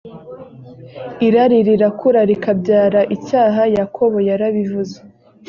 irari rirakura rikabyara icyaha yakobo yarabivuze